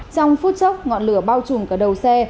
trong phút chốc ngọn lửa bao trùm cả đầu xe